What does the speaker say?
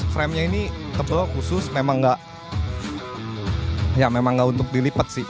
framenya ini tebal khusus memang gak ya memang gak untuk dilipet sih